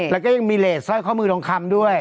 แล้วก็ยังมีเลสสร้อยข้อมือทองคำด้วย